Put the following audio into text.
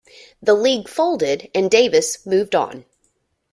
The league folded and Davis moved on.